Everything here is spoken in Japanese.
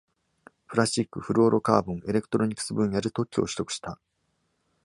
プラスチック、フルオロカーボン、エレクトロニクス分野で特許を取得した。